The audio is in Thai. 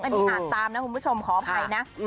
อันนี้อ่านตามนะคุณผู้ชมขออภัยนะ